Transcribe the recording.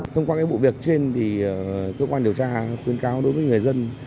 thông qua cái vụ việc trên thì cơ quan điều tra khuyên cao đối với người dân